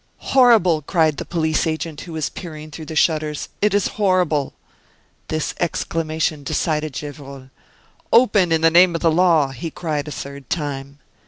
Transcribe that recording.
"Horrible!" cried the police agent, who was peering through the shutters; "it is horrible!" This exclamation decided Gevrol. "Open, in the name of the law!" he cried a third time.